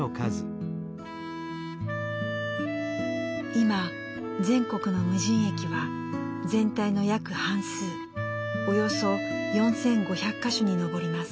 今全国の無人駅は全体の約半数およそ４，５００か所に上ります。